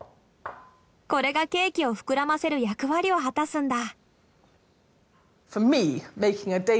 これがケーキを膨らませる役割を果たすんだ。